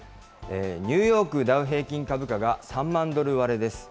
ニューヨークダウ平均株価が３万ドル割れです。